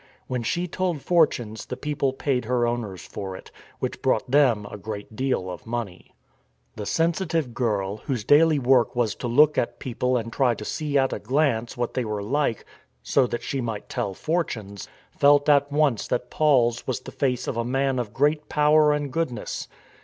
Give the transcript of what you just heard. When she told fortunes the people paid her owners for it, which brought them a great deal of money. The sensitive girl, whose daily work was to look at people and try to see at a glance what they were like so that she might tell fortunes, felt at once that 188 STORM AND STRESS Paul's was the face of a man of great power and goodness.